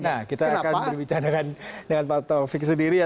nah kita akan berbicara dengan pak taufik sendiri ya